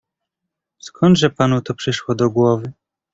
"skądże panu to przyszło do głowy?"